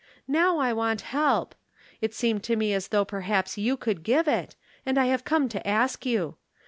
Now I want help. It seemed to me as though perhaps you could give it, and I have come to ask you.